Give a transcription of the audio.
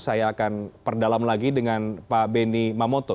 saya akan perdalam lagi dengan pak beni mamoto